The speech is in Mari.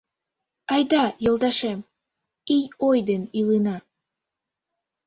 Айда, йолташем, ий ой ден илена